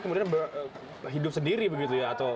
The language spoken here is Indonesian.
kemudian hidup sendiri begitu ya